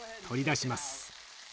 取り出します。